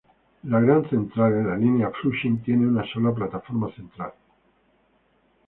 La Grand Central en la línea Flushing tiene una sola plataforma central.